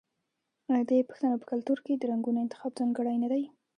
آیا د پښتنو په کلتور کې د رنګونو انتخاب ځانګړی نه دی؟